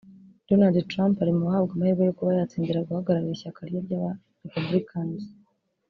Donald Trump ari mu bahabwa amahirwe yo kuba yatsindira guhagararira ishyaka rye ry’aba-republicains